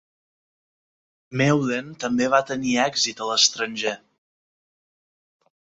Meulen també va tenir èxit a l'estranger.